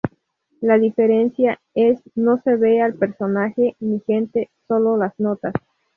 La diferencia es no se ve al personaje, ni gente, sólo las notas.